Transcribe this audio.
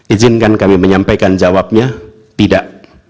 izinkan kami menyampaikan jawabnya tidak